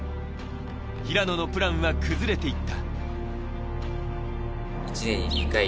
平野のプランは崩れていった。